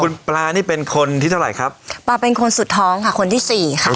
คุณปลานี่เป็นคนที่เท่าไหร่ครับปลาเป็นคนสุดท้องค่ะคนที่สี่ค่ะ